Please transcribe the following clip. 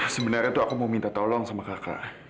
sebenarnya tuh aku mau minta tolong sama kakak